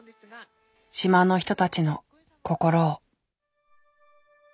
島の人たちの心を。